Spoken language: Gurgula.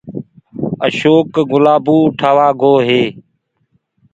اشوڪ گلآبو اُٺآوآ گوو هي